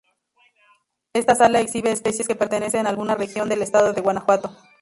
Esta sala exhibe especies que pertenecen a alguna región del Estado de Guanajuato.